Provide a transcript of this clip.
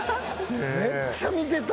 めっちゃ見てた。